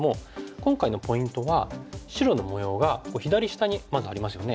今回のポイントは白の模様が左下にまずありますよね。